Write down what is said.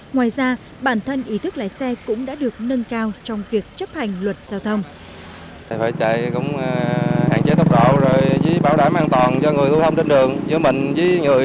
ngoài ra bản thân ý thức lái xe cũng đã được nâng cao trong việc chấp hành luật giao thông